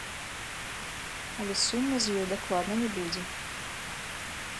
Але сумна з ёй дакладна не будзе!